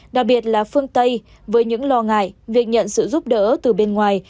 đặc biệt là phương tây với những lo ngại việc nhận sự giúp đỡ từ bên ngoài